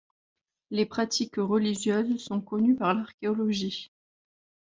Les pratiques religieuses sont connues par l’archéologie.